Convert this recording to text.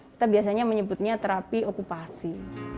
kita biasanya menyebutnya terapi okupasi